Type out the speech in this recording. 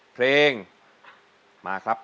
เพลงมาครับ